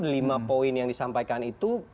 lima poin yang disampaikan itu